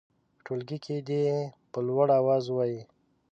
په ټولګي کې دې یې په لوړ اواز ووايي.